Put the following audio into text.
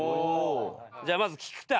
じゃまず菊田。